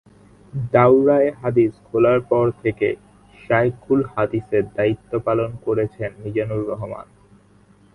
দাওরায়ে হাদিস খোলার পর থেকে শায়খুল হাদিসের দায়িত্ব পালন করেছেন মিজানুর রহমান।